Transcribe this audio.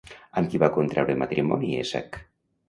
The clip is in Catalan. Amb qui va contraure matrimoni Èsac?